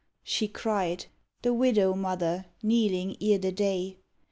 she cried The widow mother kneeling ere the day.